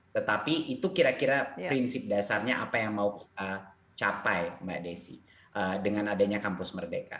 tetapi itu kira kira prinsip dasarnya apa yang mau kita capai mbak desi dengan adanya kampus merdeka